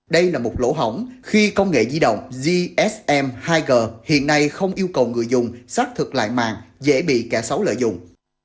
đây là một lỗ hỏng khi công nghệ di động gsm hai g hiện nay không yêu cầu người dùng xác thực lại mạng dễ bị kẻ xấu lợi dụng